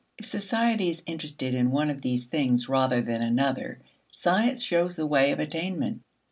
If society is interested in one of these things rather than another, science shows the way of attainment.